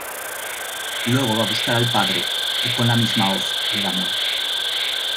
Luego va a buscar al padre y con la misma hoz le da muerte.